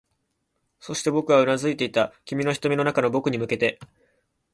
そして、僕はうなずいていた、君の瞳の中の僕に向けて